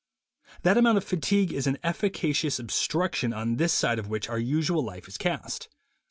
That amount of fatigue is an efficacious obstruction on this side of which our usual life is cast.